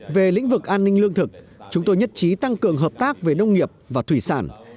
về lĩnh vực an ninh lương thực chúng tôi nhất trí tăng cường hợp tác về nông nghiệp và thủy sản